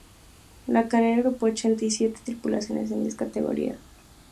La Carrera agrupó ochenta y siete tripulaciones en diez categorías.